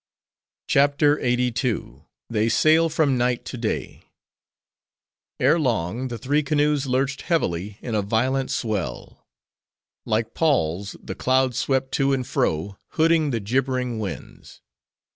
CHAPTER LXXXII. They Sail From Night To Day Ere long the three canoes lurched heavily in a violent swell. Like palls, the clouds swept to and fro, hooding the gibbering winds.